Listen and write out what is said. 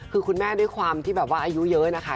คือคุณแม่ด้วยความที่แบบว่าอายุเยอะนะคะ